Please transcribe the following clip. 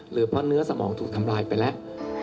หรือเพราะเนื้อสมองถูกทำลายไปแล้ว